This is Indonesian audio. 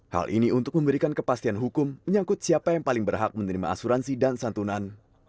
hal ini untuk memberikan kepastian hukum menyangkut siapa yang paling berhak menerima asuransi dan santunan